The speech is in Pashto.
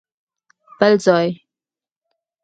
بل ځای؟!